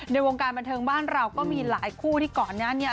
ในวงการบันเทิงบ้านเราก็มีหลายคู่ที่ก่อนหน้านี้